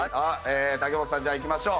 武元さんじゃあいきましょう。